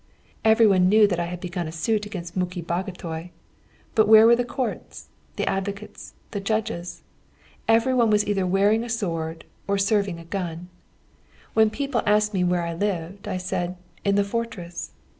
Every one knew that I had begun a suit against Muki Bagotay. But where were the courts, the advocates, the judges? every one was either wearing a sword or serving a gun. When people asked me where I lived, I said 'in the fortress!'